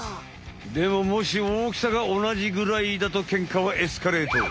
でももし大きさがおなじぐらいだとケンカはエスカレート！